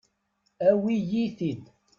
Awi-iyi-t-id.